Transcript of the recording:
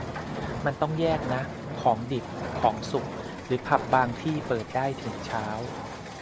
มันต้องแยกนะ ของดิบ ของสุก หรือผับบางที่เปิดได้ถึงเช้า